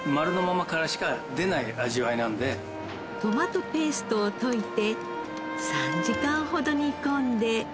トマトペーストを溶いて３時間ほど煮込んで。